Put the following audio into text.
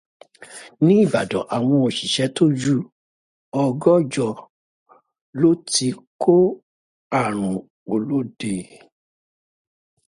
Ní Ìbàdàn awọn òṣìṣẹ́ to ju ọgọ́jọ lọ ti kó ààrùn olóde.